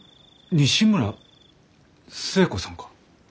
西村寿恵子さんか？